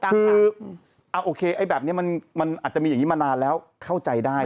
คือโอเคแบบนี้มันอาจจะมีอย่างนี้มานานแล้วเข้าใจได้